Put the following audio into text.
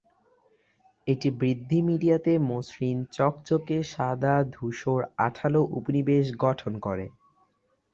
এটি বৃদ্ধি মিডিয়াতে মসৃণ, চকচকে, সাদা-ধূসর, আঠালো উপনিবেশ গঠন করে।